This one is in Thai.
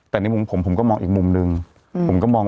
แต่ในผมของผมก็มองอีกมุมนึง